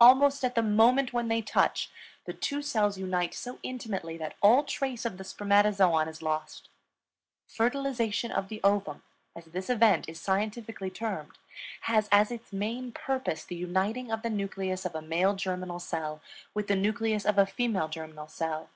Almost at the moment when they touch, the two cells unite so intimately that all trace of the spermatozoon is lost. Fertilization of the ovum, as this event is scientifically termed, has as its main purpose the uniting of the nucleus of a male germinal cell with the nucleus of the female germinal cell.